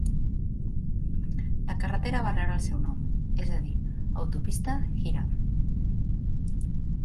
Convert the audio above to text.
La carretera va rebre el seu nom, és a dir, "Autopista Hiram".